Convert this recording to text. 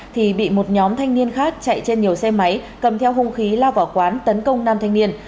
thì bị một nhóm thanh niên khác chạy trên nhiều xe máy cầm theo hung khí lao vào quán tấn công nam thanh niên